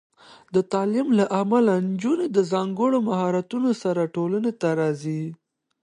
د تعلیم له امله، نجونې د ځانګړو مهارتونو سره ټولنې ته راځي.